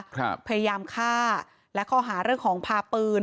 พยายามฆ่าและข้อหาเรื่องของพาปืน